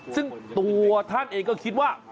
ซึ่งตัวท่านเองก็คิดว่า